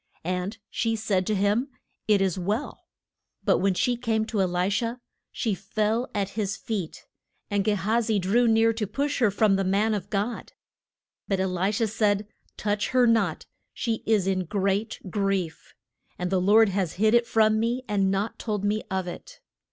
And she said to him, It is well. But when she came to E li sha she fell at his feet, and Ge ha zi drew near to push her from the man of God. But E li sha said, Touch her not. She is in great grief, and the Lord has hid it from me and not told me of it.